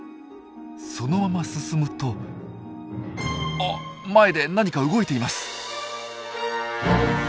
そのまま進むとあっ前で何か動いています！